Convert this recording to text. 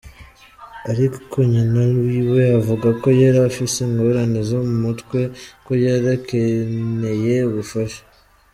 Ariko nyina wiwe avuga ko yari afise ingorane zo mu mutwe, ko yarakeneye ubufasha.